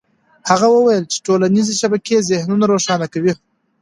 هغه وویل چې ټولنيزې شبکې ذهنونه روښانه کوي.